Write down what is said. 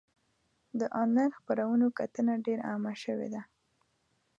د انلاین خپرونو کتنه ډېر عامه شوې ده.